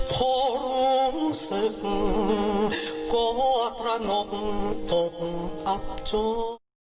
พอรู้สึกก็ตระหนมตกอับโจทย์